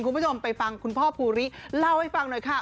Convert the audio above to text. คุณผู้ชมไปฟังคุณพ่อภูริเล่าให้ฟังหน่อยค่ะ